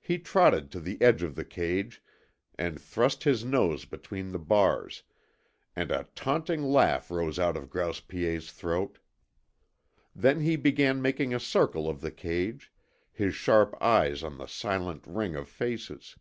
He trotted to the edge of the cage and thrust his nose between the bars, and a taunting laugh rose out of Grouse Piet's throat. Then he began making a circle of the cage, his sharp eyes on the silent ring of faces.